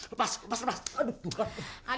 lepas lepas lepas aduh tuhan